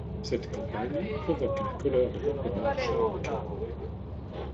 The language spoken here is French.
Cette campagne provoque la colère de l'empereur Charles Quint.